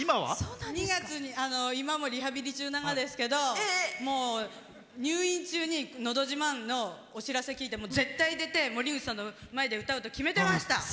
２月に今もリハビリ中なんですけどもう入院中に「のど自慢」のお知らせを聞いて絶対出て、森口さんの前で歌うと決めてました。